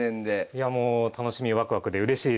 いやもう楽しみワクワクでうれしいです。